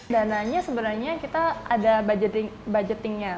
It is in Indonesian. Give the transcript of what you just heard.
dananya sebenarnya kita ada budgetingnya